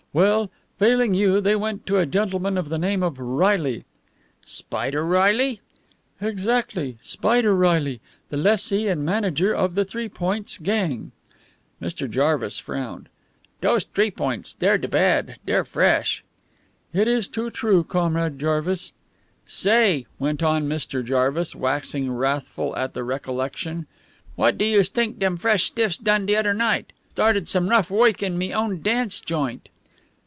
"Well, failing you, they went to a gentleman of the name of Reilly " "Spider Reilly?" "Exactly. Spider Reilly, the lessee and manager of the Three Points gang." Mr. Jarvis frowned. "Dose T'ree Points, dey're to de bad. Dey're fresh." "It is too true, Comrade Jarvis." "Say," went on Mr. Jarvis, waxing wrathful at the recollection, "what do youse t'ink dem fresh stiffs done de odder night? Started some rough woik in me own dance joint."